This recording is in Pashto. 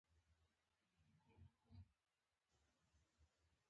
لټون د زړه له غوښتنې پیل کېږي.